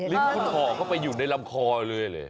ลิขึ้นคลอบก็ไปหยุดในลำคอเลย